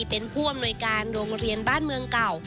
เป็นผู้อำนวยการโรงเรียนบ้านเมืองเก่า